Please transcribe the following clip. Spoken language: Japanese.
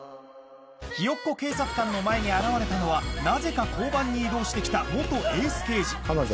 ひよっこ警察官の前に現れたのはなぜか交番に異動して来た元エース刑事彼女